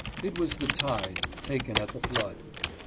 It was the " tide," " taken at the flood."